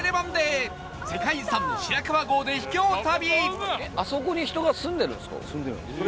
世界遺産の白川郷で秘境旅